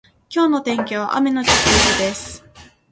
今日の天気は雨のち曇りです。